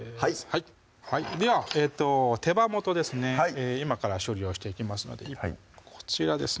はいでは手羽元ですねはい今から処理をしていきますのでこちらですね